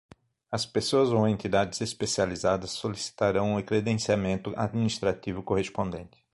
As pessoas ou entidades especializadas solicitarão o credenciamento administrativo correspondente.